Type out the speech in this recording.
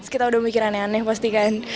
kita udah mikir aneh aneh pasti kan